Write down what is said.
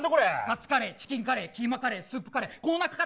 カツカレー、チキンカレーキーマカレー、スープカレー